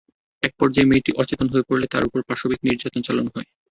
একপর্যায়ে মেয়েটি অচেতন হয়ে পড়লে তার ওপর পাশবিক নির্যাতন চালানো হয়।